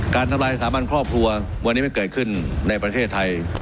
ทำลายสถาบันครอบครัววันนี้ไม่เกิดขึ้นในประเทศไทย